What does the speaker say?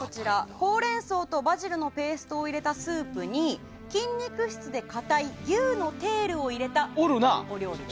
ホウレンソウとバジルのペーストを入れたスープに筋肉質でかたい牛のテールを入れたお料理です。